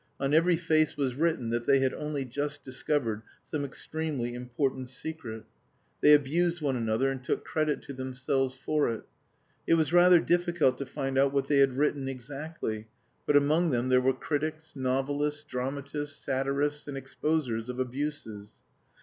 On every face was written that they had only just discovered some extremely important secret. They abused one another, and took credit to themselves for it. It was rather difficult to find out what they had written exactly, but among them there were critics, novelists, dramatists, satirists, and exposers of abuses.